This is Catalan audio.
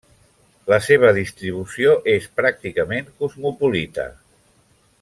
La seva distribució és pràcticament cosmopolita.